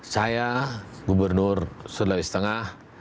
saya gubernur sulawesi tengah